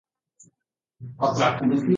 الجدران الخارجية هي جدران حمالة